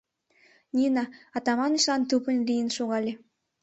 — Нина Атаманычлан тупынь лийын шогале.